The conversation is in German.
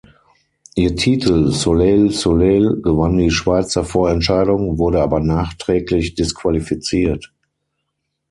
Ihr Titel "Soleil, soleil" gewann die Schweizer Vorentscheidung, wurde aber nachträglich disqualifiziert.